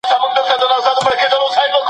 د دولتونو ترمنځ مشورتي ناستې ګټوري پایلې لري.